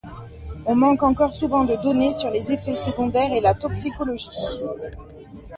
On manque encore souvent de données sur les effets secondaires et la toxicologie.